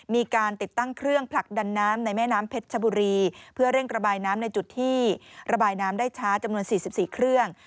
มีการติดตั้งเครื่องผลักดันน้ำในแม่น้ำเพชรชบุรีเพื่อเร่งระบายน้ำในจุดที่ระบายน้ำได้ช้าจำนวน๔๔เครื่อง